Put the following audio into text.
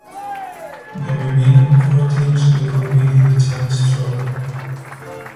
The remaining four teams will compete in the Challenge Trophy.